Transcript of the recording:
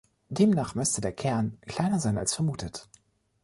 Demnach müsste der Kern kleiner sein als vermutet.